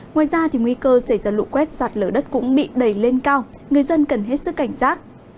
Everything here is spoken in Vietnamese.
ngoài ra nguy cơ xảy ra lũ quét sạt lở đất cũng bị đẩy lên cao người dân cần hết sức cảnh giác